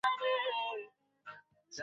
শোবানা, চলো!